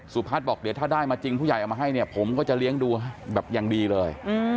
พัฒน์บอกเดี๋ยวถ้าได้มาจริงผู้ใหญ่เอามาให้เนี่ยผมก็จะเลี้ยงดูแบบอย่างดีเลย